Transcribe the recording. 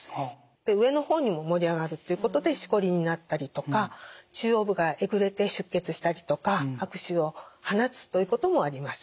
で上の方にも盛り上がるっていうことでしこりになったりとか中央部がえぐれて出血したりとか悪臭を放つということもあります。